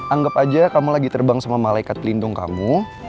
anggap aja kamu lagi terbang sama malaikat pelindung kamu